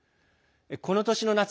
この年の夏